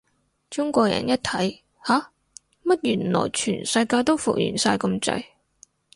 中國人一睇，吓？乜原來全世界都復原晒咁滯？